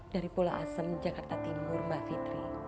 dari pulau asam jakarta timur mbak fitri